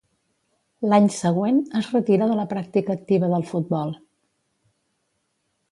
L'any següent, es retira de la pràctica activa del futbol.